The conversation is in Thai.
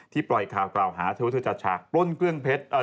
ปล่อยข่าวกล่าวหาเธอว่าเธอจัดฉากปล้นเครื่องเพชร